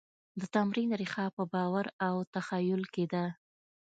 د تمدن ریښه په باور او تخیل کې ده.